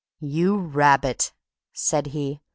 "You rabbit!" said he.